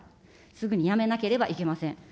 すぐにやめなければいけません。